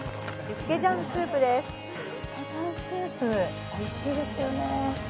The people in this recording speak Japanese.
ユッケジャンスープおいしいですよね